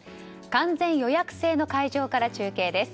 完全予約制の会場から中継です。